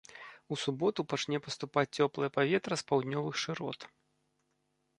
У суботу пачне паступаць цёплае паветра з паўднёвых шырот.